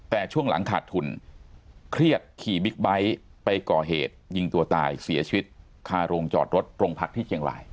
แต่ช่วงหลังขาดทุนเครียดขี่บิ๊กไบท์ไปก่อเหตุยิงตัวตายเสียชีวิตคาโรงจอดรถโรงพักที่เชียงราย